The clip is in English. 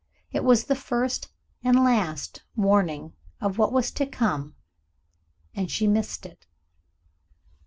It was the first, and last, warning of what was to come and she missed it.